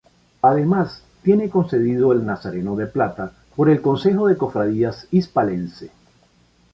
Además, tiene concedido el Nazareno de Plata, por el Consejo de Cofradías hispalense.